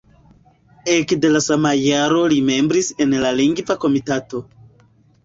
Ekde la sama jaro li membris en la Lingva Komitato.